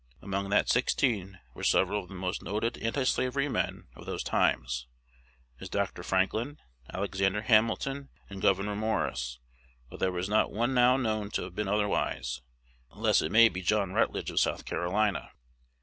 Among that sixteen were several of the most noted antislavery men of those times, as Dr. Franklin, Alexander Hamilton, and Gouverneur Morris; while there was not one now known to have been otherwise, unless it may be John Rutledge of South Carolina.